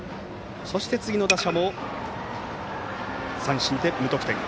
その次の打者も三振で無得点。